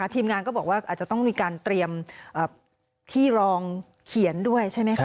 ทีมงานก็บอกว่าอาจจะต้องมีการเตรียมที่รองเขียนด้วยใช่ไหมคะ